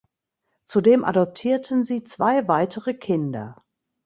Zudem adoptierten sie zwei weitere Kinder.